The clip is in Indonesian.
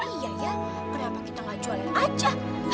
iya ya kenapa kita gak jual aja